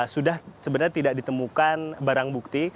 sudah sebenarnya tidak ditemukan barang bukti